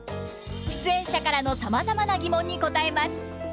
出演者からのさまざまなギモンに答えます。